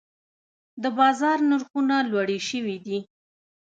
د بازار نرخونه لوړې شوي دي.